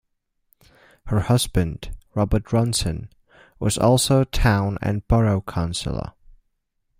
Her husband, Robert Ronson, was also a town and borough councillor.